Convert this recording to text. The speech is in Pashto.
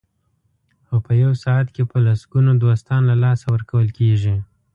خو په یو ساعت کې په لسګونو دوستان له لاسه ورکول کېږي.